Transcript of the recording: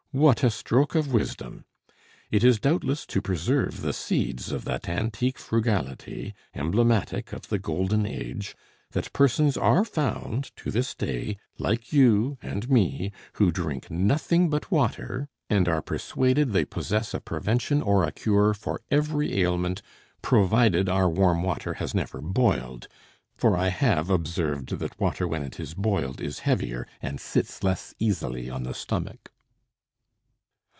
What a stroke of wisdom! It is doubtless to preserve the seeds of that antique frugality, emblematic of the golden age, that persons are found to this day, like you and me, who drink nothing but water, and are persuaded they possess a prevention or a cure for every ailment, provided our warm water has never boiled; for I have observed that water when it is boiled is heavier, and sits less easily on the stomach."